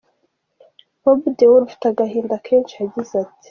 com, Bob Deol ufite agahinda kenshi yagize ati:.